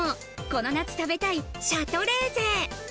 この夏食べたいシャトレーゼ。